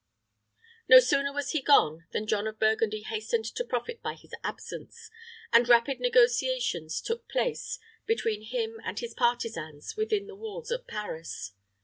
No sooner was he gone, than John of Burgundy hastened to profit by his absence, and rapid negotiations took place between him and his partisans within the walls of Paris.